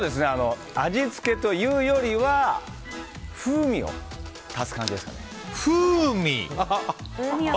味付けというよりは風味を足す感じですかね。